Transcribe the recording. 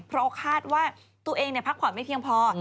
เพราะคาดว่าตัวเองพักผ่อนไม่เพียงพอ